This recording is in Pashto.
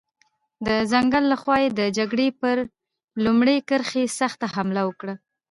د ځنګل له خوا یې د جګړې پر لومړۍ کرښې سخته حمله وکړه.